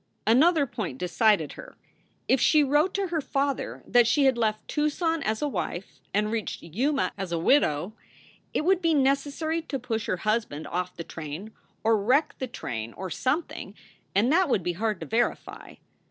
Another point decided her. If she wrote to her father that she had left Tucson as a wife and reached Yuma as a widow, it would be necessary to push her husband off the SOULS FOR SALE 105 train or wreck the train or something; and that would be hard to verify.